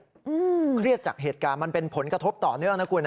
เครียดจากเหตุการณ์มันเป็นผลกระทบต่อเนื่องนะคุณนะ